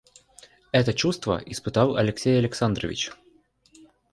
Это чувство испытал Алексей Александрович.